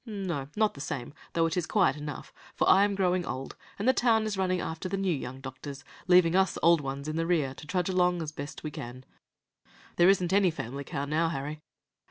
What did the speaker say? No, not the same, though it is quiet enough, for I am growing old, and the town is running after the new young doctors, leaving us old ones in the rear, to trudge along as best we can. There isn't any 'family cow' now, Harry.